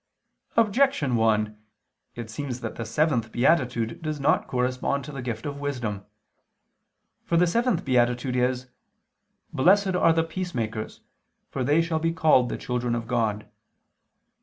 Objection 1: It seems that the seventh beatitude does not correspond to the gift of wisdom. For the seventh beatitude is: "Blessed are the peacemakers, for they shall be called the children of God."